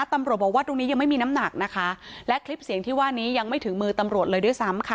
ตำรวจบอกว่าตรงนี้ยังไม่มีน้ำหนักนะคะและคลิปเสียงที่ว่านี้ยังไม่ถึงมือตำรวจเลยด้วยซ้ำค่ะ